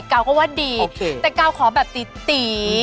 ก้าก็ว่าดีโอเคแต่ก้าวขอแบบตี๋ตี๋